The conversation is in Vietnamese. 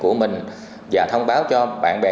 của mình và thông báo cho bạn bè